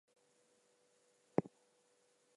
He has said he enjoys root beer, and playing golf.